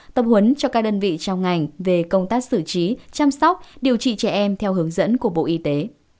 tập huấn cho các đơn vị trong ngành về công tác xử trí chăm sóc điều trị trẻ em theo hướng dẫn của bộ y tế